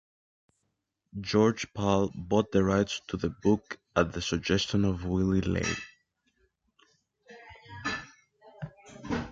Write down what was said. George Pal bought the rights to the book at the suggestion of Willy Ley.